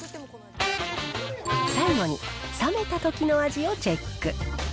最後に、冷めたときの味をチェック。